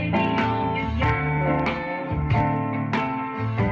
นี่น้องปัน